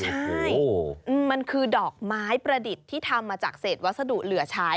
ใช่มันคือดอกไม้ประดิษฐ์ที่ทำมาจากเศษวัสดุเหลือใช้